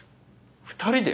２人で！？